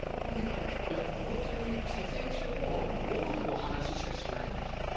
撮影中もごはんの話しかしないんです。